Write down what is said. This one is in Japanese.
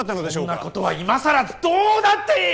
そんなことは今さらどうだっていい！